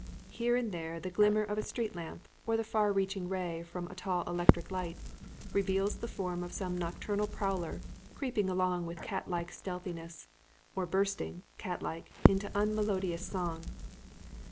Here and there the glimmer of a street lamp or the far reaching ray from a tall electric light reveals the form of some nocturnal prowler creeping along with cat like stealthiness, or bursting, cat like, into unmelodious song.